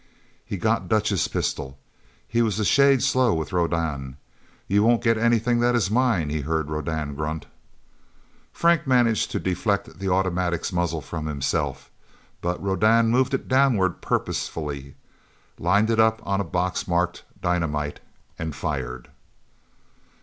He got Dutch's pistol. He was a shade slow with Rodan. "You won't get anything that is mine!" he heard Rodan grunt. Frank managed to deflect the automatic's muzzle from himself. But Rodan moved it downward purposefully, lined it up on a box marked dynamite, and fired.